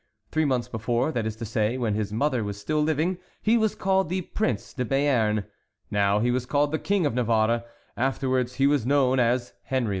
Three months before—that is to say, when his mother was still living—he was called the Prince de Béarn, now he was called the King of Navarre, afterwards he was known as Henry IV.